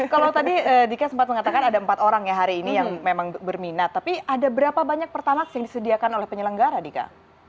kalau tadi dika sempat mengatakan ada empat orang ya hari ini yang memang berminat tapi ada berapa banyak pertamax yang disediakan oleh penyelenggara dika